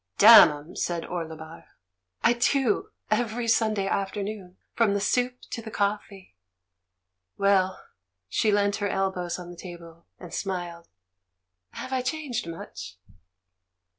"Damn 'em!" said Orlebar. "I do — every Sunday afternoon, from the soup to the coffee. Well" — she leant her elbows on the table, and smiled — "have I changed much?"